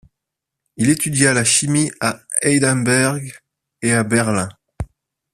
Il étudia la chimie à Heidelberg et à Berlin.